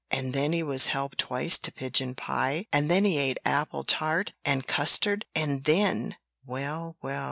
And then he was helped twice to pigeon pie; and then he ate apple tart and custard; and then " "Well, well!